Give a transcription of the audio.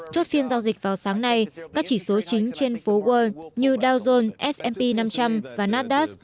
chốt phiên giao dịch vào sáng nay các chỉ số chính trên phố world như dow jones s p năm trăm linh và naddas